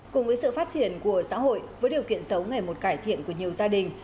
cùng với sự phát triển của xã hội với điều kiện sống ngày một cải thiện của nhiều gia đình